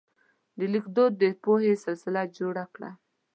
د لیک دود د پوهې سلسله جوړه کړه.